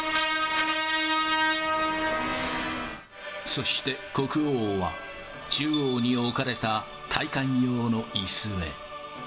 そして、国王は、中央に置かれた戴冠用のいすへ。